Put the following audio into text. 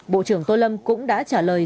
bộ trưởng tô lâm cũng đã trả lời